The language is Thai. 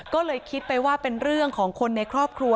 ก็เลยคิดไปว่าเป็นเรื่องของคนในครอบครัว